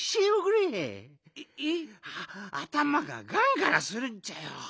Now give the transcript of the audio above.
あたまがガンガラするんじゃよ。